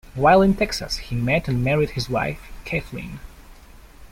While in Texas, he met and married his wife, Kathleen.